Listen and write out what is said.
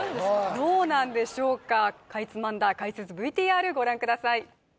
どうなんでしょうかかいつまんだ解説ＶＴＲご覧ください